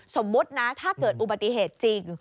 สมมุตินะถ้าเกิดอุบัติเหตุจริง